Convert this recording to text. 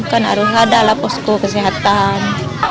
kan harus ada lah posko kesehatan